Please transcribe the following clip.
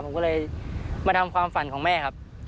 ผมก็เลยมาทำความฝันของแม่ครับ